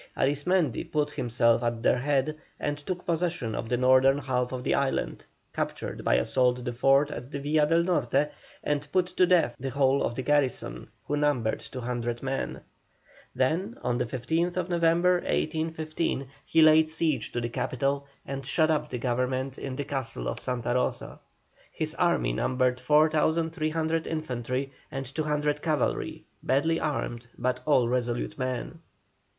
Arismendi put himself at their head, and took possession of the northern half of the island, captured by assault the fort at the Villa del Norte, and put to death the whole of the garrison, who numbered 200 men. Then on the 15th November, 1815, he laid siege to the capital and shut up the governor in the castle of Santa Rosa. His army numbered 4,300 infantry and 200 cavalry, badly armed, but all resolute men.